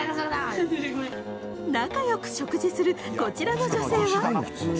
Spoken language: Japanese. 仲良く食事するこちらの女性は。